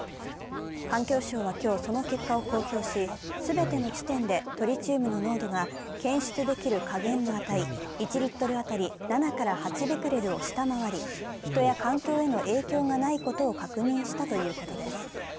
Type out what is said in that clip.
環境省は今日、その結果を公表し全ての地点でトリチウムの濃度が検出できる下限の値、１リットル当たり７８ベクレルを下回り、人や環境への影響がないことを確認したということです。